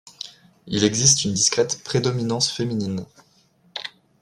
Il existe une discrète prédominance féminine.